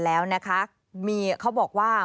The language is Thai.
แล้วนะคะมีเขาบอกว่า